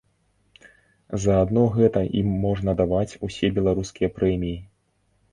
За адно гэта ім можна даваць усе беларускія прэміі!